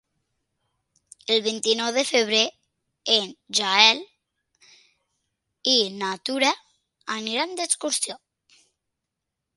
El vint-i-nou de febrer en Gaël i na Tura aniran d'excursió.